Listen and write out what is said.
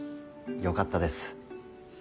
よかったです。